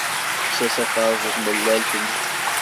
Tekkes-as afareẓ i tmellalt-nni.